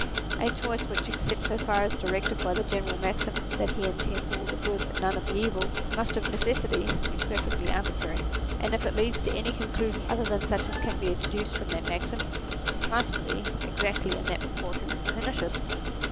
A choice which except so far as directed by the general maxim that he intends all the good and none of the evil, must of necessity be perfectly arbitrary ; and if it leads to any conclusions other than such as can be deduced from that maxim, must be, exactly in that proportion, pernicious.